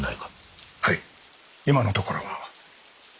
はい今のところは。